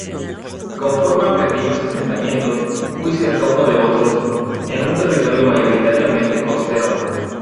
Conformaban pequeños asentamientos, muy cerca unos de otros, en un territorio mayoritariamente costero.